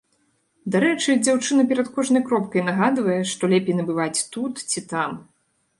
Дарэчы, дзяўчына перад кожнай кропкай нагадвае, што лепей набываць тут ці там.